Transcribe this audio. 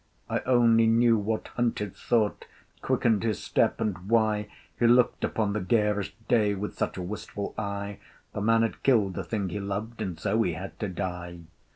I only knew what hunted thought Quickened his step, and why He looked upon the garish day With such a wistful eye; The man had killed the thing he loved And so he had to die.